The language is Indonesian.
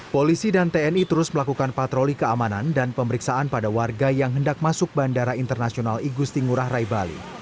polisi dan tni terus melakukan patroli keamanan dan pemeriksaan pada warga yang hendak masuk bandara internasional igusti ngurah rai bali